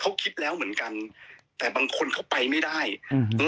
เขาคิดแล้วเหมือนกันแต่บางคนเขาไปไม่ได้อืม